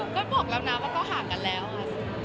ก็บอกแล้วนะว่าก็ห่างกันแล้วค่ะ